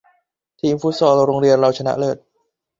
ทีมฟุตซอลโรงเรียนเราชนะเลิศ